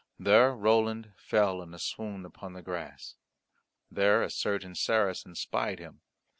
There Roland fell in a swoon upon the grass. There a certain Saracen spied him.